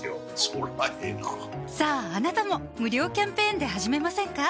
そりゃええなさぁあなたも無料キャンペーンで始めませんか？